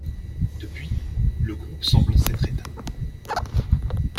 Depuis, le groupe semble s'être éteint.